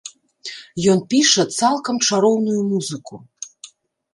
Ён піша цалкам чароўную музыку.